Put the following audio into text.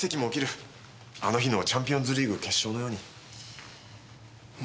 あの日のチャンピオンズリーグ決勝のように。